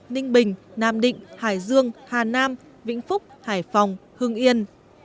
ninh bình nam định hải dương hà nam vĩnh phúc hải phòng hương yên